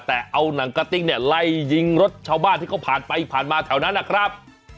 แต่เอาหนังกะติ๊กเนี่ยไล่ยิงรถชาวบ้านที่เขาผ่านไปผ่านมาแถวนั้นนะครับ